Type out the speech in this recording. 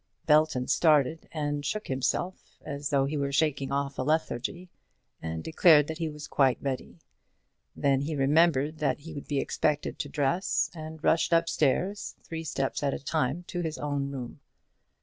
Belton started and shook himself, as though he were shaking off a lethargy, and declared that he was quite ready. Then he remembered that he would be expected to dress, and rushed up stairs, three steps at a time, to his own room.